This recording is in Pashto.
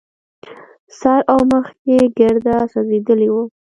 سر او مخ يې ګرده سوځېدلي وو.